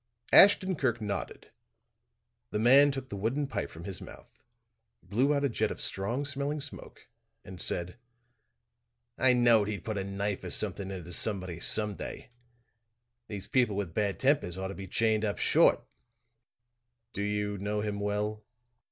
Ashton Kirk nodded; the man took the wooden pipe from his mouth, blew out a jet of strong smelling smoke and said: "I knowed he'd put a knife or something into somebody, some day. These people with bad tempers ought to be chained up short." "Do you know him well?"